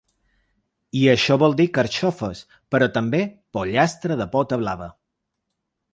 I això vol dir carxofes, però també, pollastre de pota blava.